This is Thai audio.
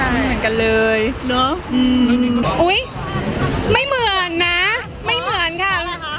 ไม่เหมือนกันเลยเนอะอืมอุ้ยไม่เหมือนนะไม่เหมือนค่ะ